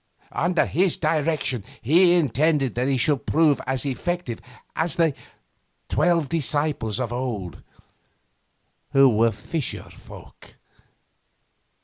Under his direction he intended they should prove as effective as the twelve disciples of old who were fisher folk.